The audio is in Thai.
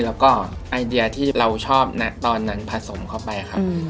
แล้วก็ไอเดียที่เราชอบนะตอนนั้นผสมเข้าไปครับ